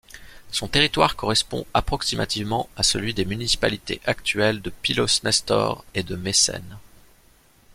Son territoire correspond approximativement à celui des municipalités actuelles de Pylos-Nestor et de Messène.